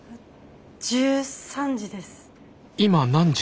１３時です。